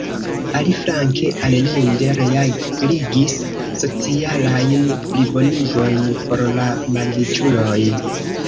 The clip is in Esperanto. Aliflanke Allende realigis socialajn plibonigojn por la malriĉuloj.